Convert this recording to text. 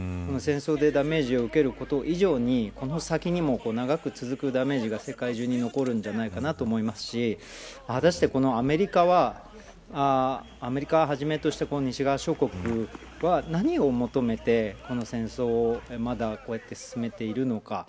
戦争でダメージを受けること以上にこの先にも長く続くダメージが世界中に残るんじゃないかと思いますし果たしてこのアメリカをはじめとした西側諸国は何を求めて、この戦争をまだこうやって進めているのか。